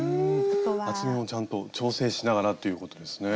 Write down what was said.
厚みもちゃんと調整しながらということですね。